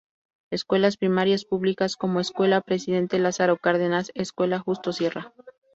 Escuelas primarias públicas como Escuela Presidente Lázaro Cárdenas, Escuela Justo Sierra.